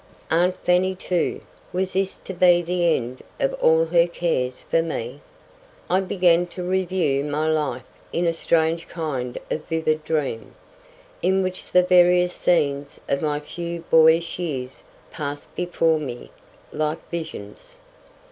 Aunt Fanny too—was this to be the end of all her cares for me? I began to review my life in a strange kind of vivid dream, in which the various scenes of my few boyish years passed before me like visions.